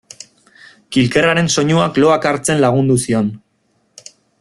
Kilkerraren soinuak loak hartzen lagundu zion.